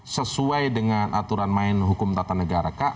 sesuai dengan aturan main hukum tata negara kak